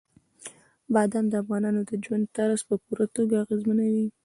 بادام د افغانانو د ژوند طرز په پوره توګه اغېزمنوي.